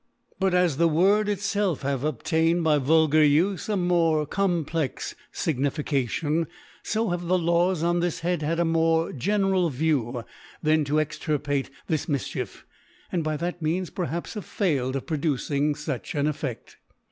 But as the Word itfelf hath obtained by vulgar Ufe a more complex Signification, fo have the Laws on this Head had a more general View than to extirpate this Mifchief \ and by that means, perhaps, have failed of pro ducing fuch an EfFe<5t.